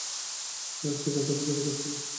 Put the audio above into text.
আর সেটা তাড়াতাড়ি করতে হবে।